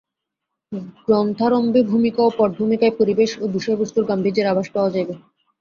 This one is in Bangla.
গ্রন্থারম্ভে ভূমিকা ও পটভূমিকায় পরিবেশ ও বিষয়বস্তুর গাম্ভীর্যের আভাস পাওয়া যাইবে।